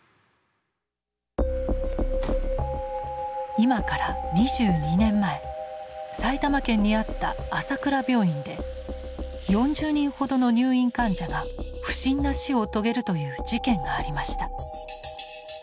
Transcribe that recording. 今から２２年前埼玉県にあった朝倉病院で４０人ほどの入院患者が不審な死を遂げるという事件がありました。